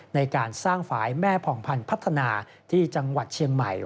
ในการสร้างฝ่ายแม่ผ่องพันธ์พัฒนาที่จังหวัดเชียงใหม่